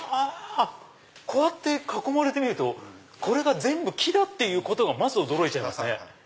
こうやって囲まれてみるとこれが全部木だってことがまず驚いちゃいますね。